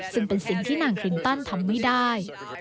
ซึ่งเป็นสิ่งที่นางคลินตันทำไม่ได้